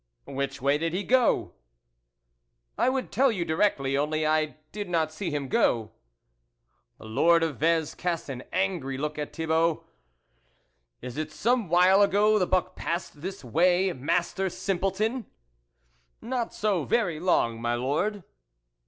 " Which way did he go ?"" I would tell you directly ; only I did not see him go." The Lord of Vez cast an angry look at Thibault. " Is it some while ago the buck passed this way, Master Simpleton ?"" Not so very long, my Lord."